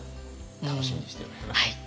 楽しみにしております。